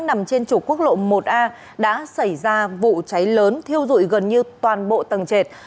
nằm trên trục quốc lộ một a đã xảy ra vụ cháy lớn thiêu dụi gần như toàn bộ tầng trệt